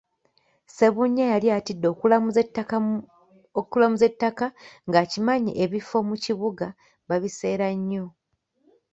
Ssebunya yali atidde okulamuza ettaka nga akimanyi ebifo mu kibuga babiseera nnyo.